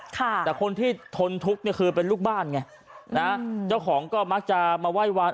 แต่คนที่ทนทุกข์เนี่ยคือเป็นลูกบ้านไงนะเจ้าของก็มักจะมาไหว้วัด